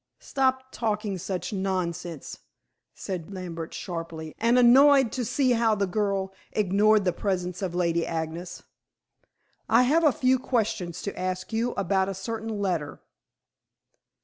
"Drop talking such nonsense," said Lambert sharply, and annoyed to see how the girl ignored the presence of Lady Agnes. "I have a few questions to ask you about a certain letter."